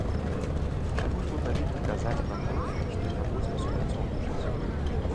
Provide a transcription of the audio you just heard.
Чаму ж мы павінны казаць пра тое, што не будзем супрацоўнічаць?